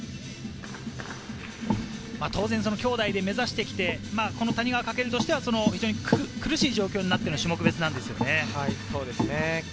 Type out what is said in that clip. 当然、兄弟で目指してきて、谷川翔としては非常に苦しい状況になっての種目別ですよね。